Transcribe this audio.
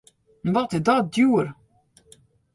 Wat is dat djoer!